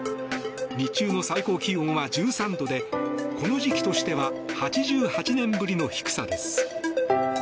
日中の最高気温は１３度でこの時期としては８８年ぶりの低さです。